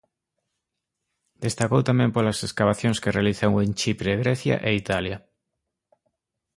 Destacou tamén polas escavacións que realizou en Chipre, Grecia e Italia.